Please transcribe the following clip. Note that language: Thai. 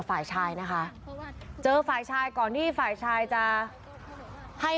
เขาบอกว่าแต่งงานเสร็จก็จบไปสั่งคนตามอยู่